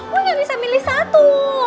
gue gak bisa milih satu